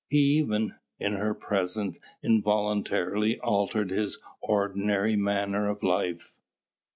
He even, in her presence, involuntarily altered his ordinary manner of life.